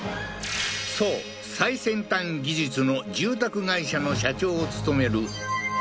そう最先端技術の住宅会社の社長を務める國